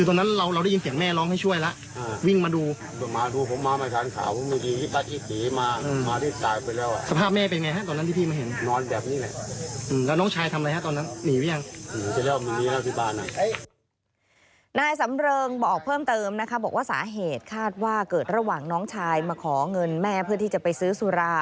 นายสำเริงบอกเพิ่มเติมนะคะบอกว่าสาเหตุคาดว่าเกิดระหว่างน้องชายมาขอเงินแม่เพื่อที่จะไปซื้อสุรา